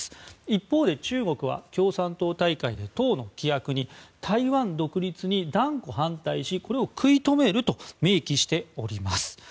一方で中国は共産党大会で党の規約に台湾独立に断固反対しこれを食い止めると明記しております。